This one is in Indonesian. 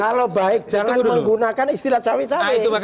kalau baik jangan menggunakan istilah cewek cewek